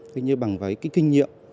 cũng như bằng cái kinh nghiệm